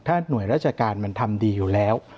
หน่วยราชการมันทำดีอยู่แล้ว